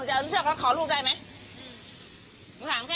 แบบตากเขาอาหารก็นี้มันไม่ใช่เหรอพี่